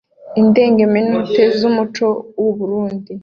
Indengemenote z’umuco w’u Burunndi